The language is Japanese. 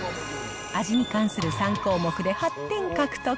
味に関する３項目で８点獲得。